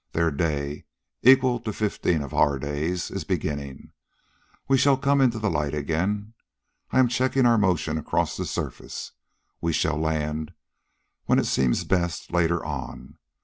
Their day, equal to fifteen of our days, is beginning. We shall come into the light again. I am checking our motion across the surface. We shall land, when it seems best, later on.